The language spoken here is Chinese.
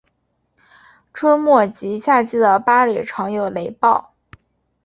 春末及夏季的巴里常有雷暴。